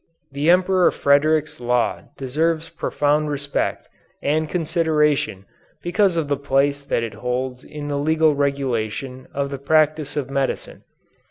The Emperor Frederick's law deserves profound respect and consideration because of the place that it holds in the legal regulation of the practice of medicine.